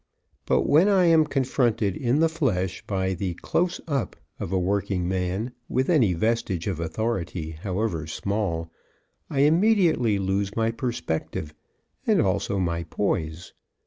But when I am confronted, in the flesh, by the "close up" of a workingman with any vestige of authority, however small, I immediately lose my perspective and also my poise.